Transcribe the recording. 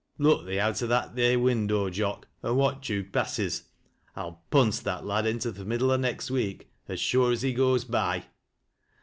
Look thee out o' thai theei window, Jock, and watch who passes. I'll punse that lad into th' middle o' next week, as sure as he goee by."